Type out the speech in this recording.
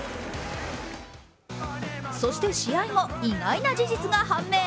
そして試合後、意外な事実が判明。